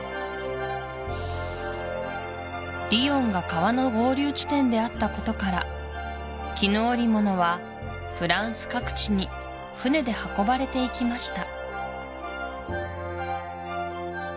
リヨンが川の合流地点であったことから絹織物はフランス各地に船で運ばれていきました